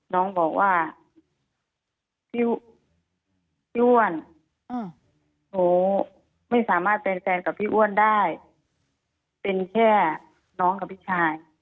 น้องบอกว่าพี่อ้วนหนูไม่สามารถเป็นแฟนกับพี่อ้วนได้เป็นแค่น้องกับพี่ชาย